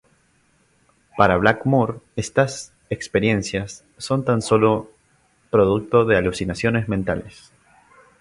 Para Blackmore estas experiencias son tan solo producto de alucinaciones mentales.